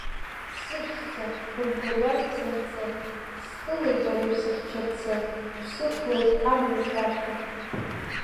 Сыԥшӡа, бымгәырҩан бзанҵы, Стәылеи бареи шәсыхьчарцы, Сықәлоит амҩа шәарҭа.